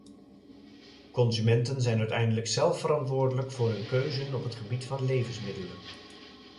Consumenten zijn uiteindelijk zelf verantwoordelijk voor hun keuzen op het gebied van levensmiddelen.